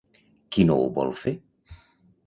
Qui no ho vol fer?